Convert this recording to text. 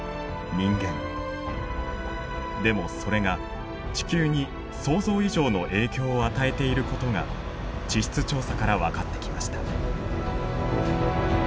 でもそれが地球に想像以上の影響を与えていることが地質調査から分かってきました。